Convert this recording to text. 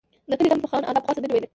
د کلي ډم فخان اکا پخوا سندرې ویلې.